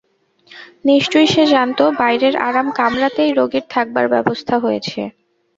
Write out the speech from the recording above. নিশ্চয় সে জানত, বাইরের আরাম-কামরাতেই রোগীর থাকবার ব্যবস্থা হয়েছে।